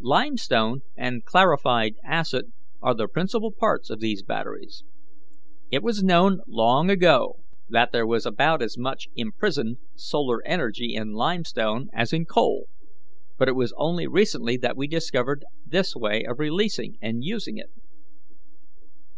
"Limestone and clarified acid are the principal parts of these batteries. It was known long ago that there was about as much imprisoned solar energy in limestone as in coal, but it was only recently that we discovered this way of releasing and using it.